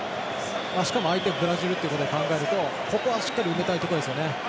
相手がブラジルってことを考えるとここはしっかり受けたいところですよね。